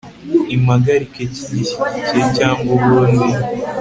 impagarike kigishyigikiye cyangwa ubundi